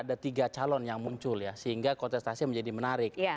ada tiga calon yang muncul ya sehingga kontestasi menjadi menarik